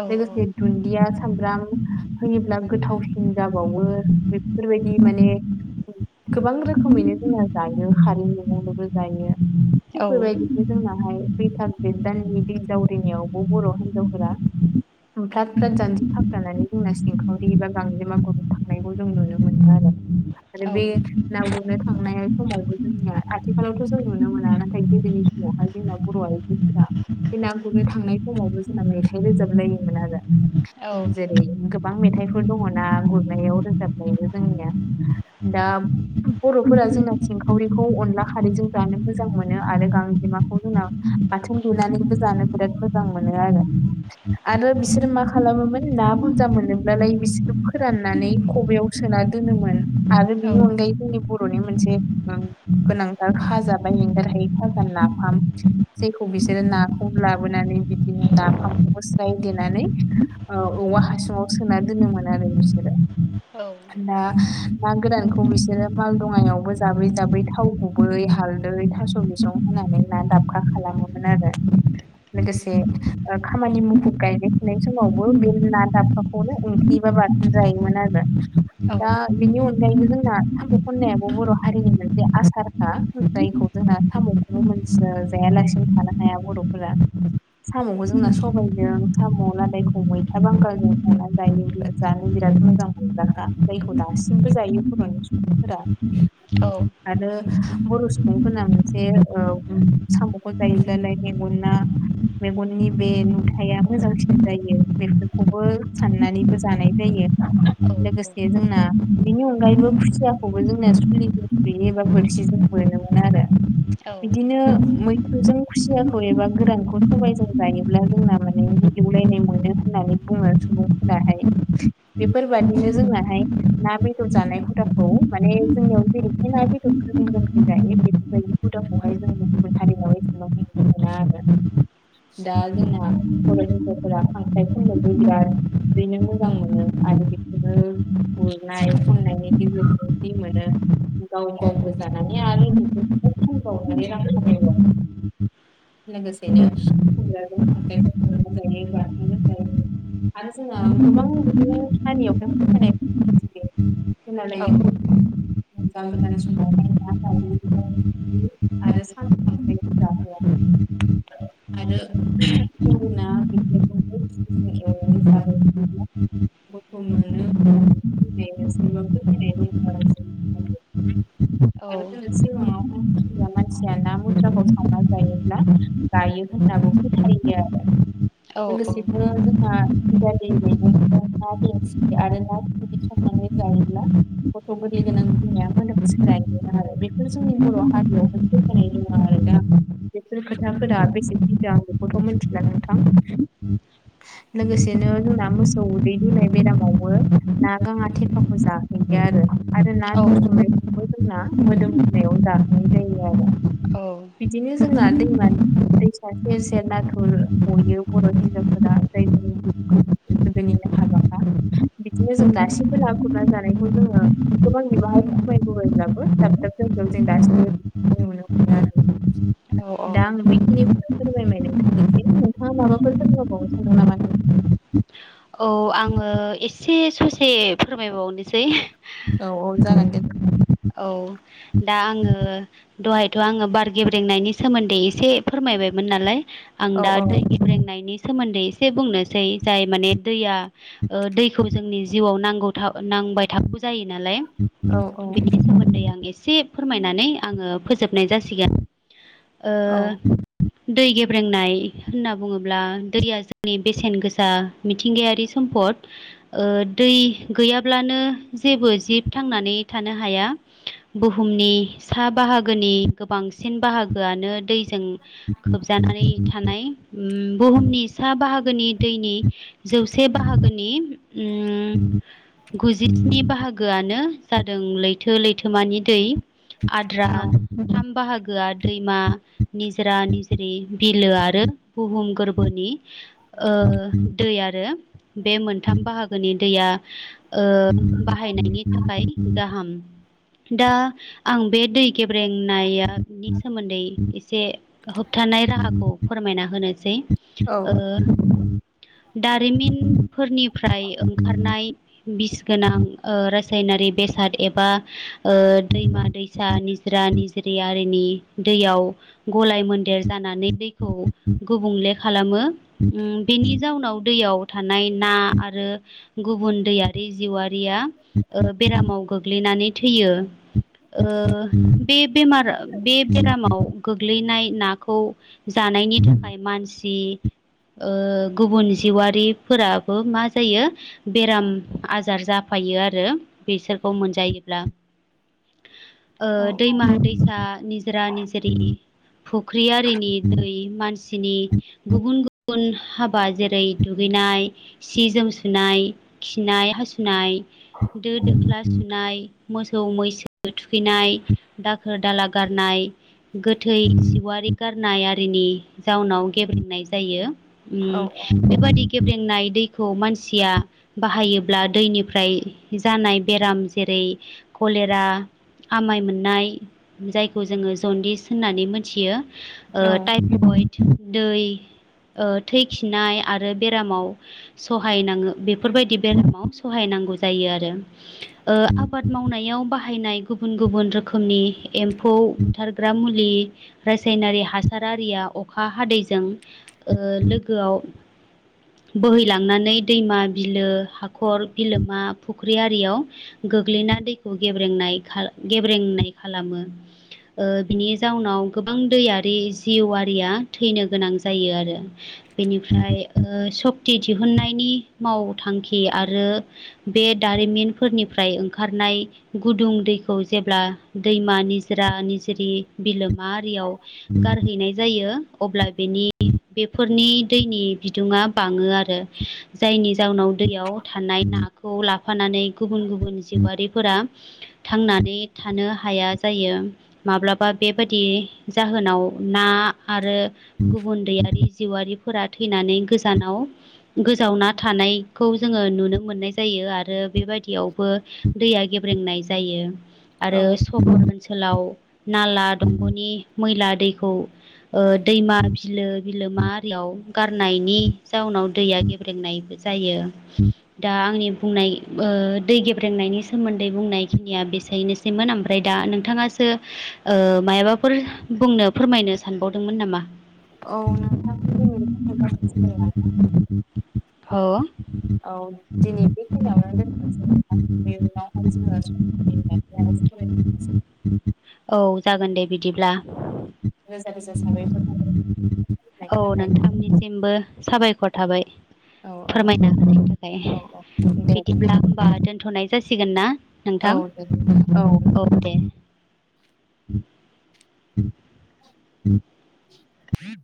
औ लोगोसे दुन्दिया सामब्राम होयोब्ला गोथाव जाबावो बेफोरबायदि माने गोबां रोखोमैनो जोंना जायो खारै मैगंदोंबो जायो। थिग औ बेबायदिनो जोंनाहाय बैसाग जेथ दाननि हिनजाव दैनियावबो बर' हिनजावफोरा फ्राद फ्राद जानजि खाफ्रानानै जोंना सिंखावरि गां गांजेमा गुननो थांनायनायखौ जों नुनो मोनो आरो। आरो बे ना गुरनो थांनाय समावबो जोंनिया आथिखालावथ' जों नुनो मोना नाथाय गोदोनि सम समावहाय जोंना बर' आइजोफोरा बे ना गुरनो थांनाय समावबो जोंना मेथाइ रोजाबलायोमोन आरो। औ। जेरै गोबां मेथाइफोर दङ ना गुरनायाव रोजाबनायबो जोंनिया दा बर'फोरा जोंना सिंखावरिखौ अनला खारैजों जानो मोजां मोनो आरो गां जेमाखौ जोंना बाथोन देनानैबो जानो बिराद मोजां मोनो आरो। आरो बिसोरो मा खालामोमोन ना बुरजा मोनोब्लालाय बि बिसोर फोराननानै खबयाव सोना दोनोमोन आरो बिनि अनगायै जोंनि बर'नि मोनसे गोनांथार खाजा बाय एंगार हायो खाजा नाफाम जायखौ बिसोरो नाखौ ला लाबोनानै बिदिनो नाफामखौबो स्राय देनानै औवा हासुङाव सोना दोनोमोन। आरो बिसोरो ना ना गोरानखौ बिसोरो मालदङायावबो जाबै जाबै थाव गुबै हाल दै थास' बिसं होनानै ना दाबखा खालामोमोन आरो। लोगोसे खामानि मुखुब गायनाय फुनाय समावबो बे ना दाखौनो ओं ख्रि बा बाथोन जायोमोन आरो औ दा बेनि अनगायैबो जोंना साम' खननायाबो बर' हारिनि मोनसे आसारखा जायखौ जोंहा साम' [unintelligible] जायालासिनो थानो हाया बर'फोरा साम'खौ जोंना सबायजों साम' लादायखौ मैथा बांगालजों संना जायो जानो बिराद मोजां जानखा जायखौ दासिमबो जायो बर'नि सुबुंफोरा आरो बर' सुबुंफोरना मोनसे ओ साम'खौ जायोब्लालायनो मेगनना मेगननि बे नुथाया मोजांसिन जायो बेफोरखौबो साननानैबो जानाय जायो लोगोसे जोंना बेनि अनगायैबो खुसियाखौबो जोंना सुलिजों सुयो एबा बोरसिजोंबो बोनोमोन आरो बिदिनो मैथोजों खुसियाखौ एबा गोरानखौ सबायजों जायोब्ला जोंना माने एवलायनाय मोनो होननानै बुङो सुबुंफोराहाय बेफोरबादिनो जोंनाहाय ना बेदर जानाय हुदाखौ माने जोंनियाव जेरैखाय ना बेदर गोहोम गोरोमै जायो बेफोरबायदिनो बुदखौहाय जोंनो गुबुन हारियाव एसेबां‌ नुनो मोना आरो दा जोंना बर' हिनजावफोरा खांख्राय खननोबो बिराद बेनो मोजां मोनो आरो बेखौनो गुरनाय खननायनि गेजेरजों जि मोनो गाव गावबो जानानै आरो बेफोरखौ खनबावनानै रां खामायो आरोखि लोगोसेनो [unintelligible] जायो। आरो जोंहा गोबां बिदिनो हारियावहाय फोथायनाय खला औ लायनायखौ गां गोदान समावहाय ना ग आरो सान खामख्राय [unintelligible] आरोना बि [inaudible] गथ' मोनो होननानैनाय फोथायनाय दंङो आरोना [inaudible] आरो जों सिमांङाव हाय [unintelligible] मानसिया ना मुथ्राखौ सावना जायोब्ला गायो होननाबो फोथायो आरो लोगोसेनो जोंहा ना बिंसि ना बिंसिखौ संनानै जायोब्ला गथ' गोरलै गोनां जानाया मोदोम सोलायो आरो बेफोर जोंनि बर' हारियावहाय फोथाय होनाय दङ आरो दा बेफोर खोथाफोरा बेसे फैथो आं बेखौथ' मिथिला नोंथां लोगोसेनो मोसौ उदै दुनाय बेरामावबो ना गांङा थेफाखौ जाहैयो आरो आरो ना जुसुमनायखौबो जोंना मोदोम होनायाव जाहोनाय जायो आरो बिदिनो जोंना दैमा दैसा सेर सेर नाथुर हयो बर' हिनजावफोरा जायनिखौ गोदोनि हागाफा बिदिनो जों दासिमबो ना गुरना जानायखौ जोङो गोबां बिबांहाय खमायबोबायब्लाबो जोंजों दासिमबो थाङो आरो दा आं बेखिनिखौनो फोरमायबाय नोंथांनिसिम नोंथांङा माबाफोर फोरोंमायबावनो सानदों नामा? औ आंङो एसे ससे फोरमायबावनोसै औ औ जागोन दे औ दा आंङो दहायथ' आङो बार गेब्रेंनायनि सोमोन्दै एसे फोरमायबायमोन नालाय आं औ दा दै गिब्रेंनायनि सोमोन्दै एसे बुंनोसै जाय माने दैया ओ दैखौ जोंनि जिउआव नांगौ थाबाय नांबाय थाबौ जायो नालाय औ औ बिनि सोमोन्दै आं एसे एसे फोरमायनानै आङो फोजोबनाय जासिगोन औ ओ दै गेब्रेंनाय होनना बुङोब्ला दैया जोंनि बेसेन गोसा मिथिंगायारि सम्फद ओ दै गैयाब्लानो जेबो जिब थांनानै थानो हाया बुहुमनि सा बाहागोनि गोबांसिन बाहागोआनो दैजों खोब जानानै थानाय उम बुहुमनि सा बाहागोनि दैनि जौ से बाहागोनि उम गुजिस्नि बाहागोआनो जादों लै थो लैथोमानि दै आद्रा औ बाहागोआ दैमा निजरा निज्रि बिलो आरो बुहुम गोरबोनि दै आरो बे मोनथाम बाहागोनि दैया बाहायनायनि थाखाय गाहाम दा आं बे दै गेब्रेंनाया नि सोमोन्दै एसे होबथानाय राहाखौ फोरमायना होनोसै दारिमिन फोरनिफ्राय ओंखारनाय बिस गोनां रासायनारि बेसाद एबा दैमा दैसा निजरा निज्रि आरिनि दैयाव गलाय मोनदेर जानानै दैखौ गुबुंले खालामो बेनि जाउनाव दैयाव थानाय ना आरो गुबुन दैयारि जिउआारिया बेरामाव गोग्लैनाय बेरामाव गोग्लैनाय नाखौ जानायनि थाखाय मानसि गुबुन जिउरारि फोराबो मा जायो बेराम आजार जाफायो आरो बेसोरखौ मोनजायो ब्ला [inaudible] ओ औ दैमा दैसा निजोरा निजिरि फुख्रि आरिनि दै मानसिनि गुबुन गुबुन हाबा जेरै दुगै नाय सि जोम सुनाय खिनाय हासुनाय दो दोख्ला सुनाय मोसौ मैसो थुखैनाय दाखोर दाला गारनाय गोथै जिवारि गारनाय आरिनि जाउनाव गेब्रेंनाय जायो औ उम बेबायदि लोंनाय दैखौ मानसिया बाहायोब्ला दैनिफ्राय जानाय बेराम जेरै खलेरा आमाइ मोननाय जायखौ जोङो जनदिस होननानै मोथियो। ओ टाइफइड दै ओ थै खिनाय आरो बेरामाव सहायनाङो बेफोर बायदि बेरामाव सहायनांगौ जायो आरो। ओ आबाद मावनायाव बाहायनाय गुबुन गुबुन रोखोमनि एम्फौ बुथारग्रा मुलि रासायनारि हासार आरिया अखा हादैजों ओ लोगोआव बोहैलांनानै दैमा बिलो हाखर बिलोमा फुख्रि आरियाव गोग्लैना दैखौ गेब्रेंनाय खाल गेब्रेंनाय खालामो। ओ बिनि जाउनाव गोबां दैयारि जिउवारिया थैनो गोनां जायो आरो। बेनिफ्राय ओ सक्ति दिहुननायनि मावथांखि आरो बे दारिमिनफोरनि फ्राय ओंखारनाय गुदुं दैखौ जेब्ला दैमा निजोरा निजिरि बिलोमा मा आरियाव गारहैनाय जायो अब्ला बेनि बेफोरनि दैनि बिदुुङा बाङो आरो जायनि जाउनाव दैयाव थानाय नाखौ लाफानानै गुबुन गुबुन जिउआरिफोरा थांनानै थानो हाया जायो माब्लाबा बेबाय दि जाहोनाव ना आरो गुबुन दैयारि जिउआरिफोरा थै फैनानै गोजानाव गोजावना थानायखौ जोङो नुनो मोननाय जायो आरो बेबायदियावबो दैया ब्रेंनाय जायो औ आरो सहर ओनसोलाव नाला दंग'नि मैला दैखौ ओ दैमा बिलो बिलोमा आरियाव गारनायनि जाउनाव दैया गेब्रेंनायबो जायो। दा आंनि बुंनाय ओ ओ दै गेब्रेंनायनि सोमोन्दै बुंनायखिनिया बेसायनोसैमोन ओमफ्राय दा नोंथाङासो ओ ओ मायाबाफोर बुंनो फोरमायनो सानबावदोंमोन नामा? औ नोंथांजों दैनि [unintelligible] औ दिनै बेखिनियावनो दोनथ'नसै नों [unintelligible] औ जागोन दे बिदिब्ला रोजा रोजा साबायखर सम होनायनि थाखाय निसिमबो साबायख'र थाबाय औ औ फोरमायना होनायनि औ थाखाय। औ दे बिदिब्ला नोंथां होमबा दोन्थ'नाय जासिगोन ना नोंथां औ दे नोंथां औ दे। [inaudible] [inaudible] [inaudible]